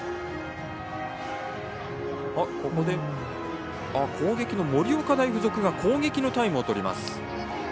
ここで攻撃の盛岡大付属が攻撃のタイムをとります。